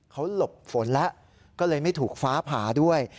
เขาหลบฝนแล้วก็เลยไม่ถูกฟ้าผ่าด้วย